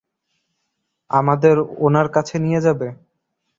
আমাদের ওনার কাছে নিয়ে যাবে?